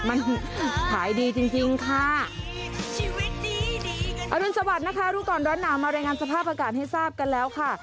มันขายดีจริงจริงค่ะชีวิตดีดีอรุณสวัสดิ์นะคะรู้ก่อนร้อนหนาวมารายงานสภาพอากาศให้ทราบกันแล้วค่ะ